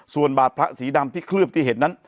ส่วนบาดพระสีดำที่เคลือบที่เห็นนั้น